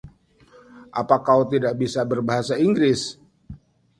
Apa kau tidak bisa berbahasa Inggris?